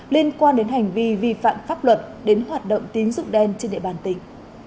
liên quan đến hành vi vi phạm pháp luật đến hoạt động tín dụng đen trên địa bàn tỉnh